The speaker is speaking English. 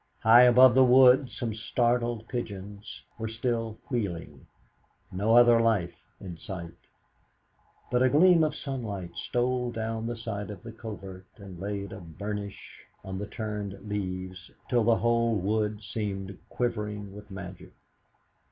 High above the wood some startled pigeons were still wheeling, no other life in sight; but a gleam of sunlight stole down the side of the covert and laid a burnish on the turned leaves till the whole wood seemed quivering with magic.